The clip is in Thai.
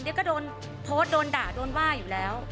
เดี๋ยวก็โดนโพสต์โดนด่าโดนว่าอยู่แล้ว